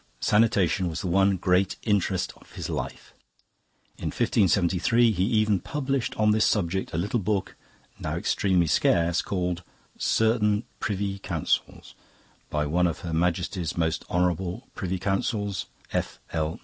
Sanitation was the one great interest of his life. In 1573 he even published, on this subject, a little book now extremely scarce called, 'Certaine Priuy Counsels' by 'One of Her Maiestie's Most Honourable Priuy Counsels, F.L.